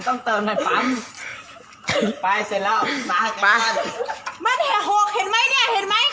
แต่ก็ไม่รู้ว่าจะมีใครอยู่ข้างหลัง